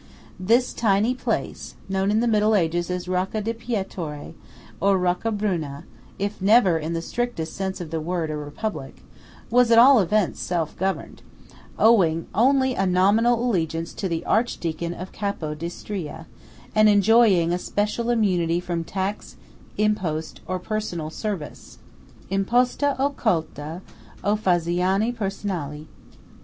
15 This tiny place, known in the middle ages as Rocca di Pietore, or Roccabruna, if never in the strict sense of the word a Republic, was at all events self governed; owing only a nominal allegiance to the Archdeacon of Capo d'Istria, and enjoying a special immunity from tax, impost, or personal service ("imposta o colta o fazioni personali").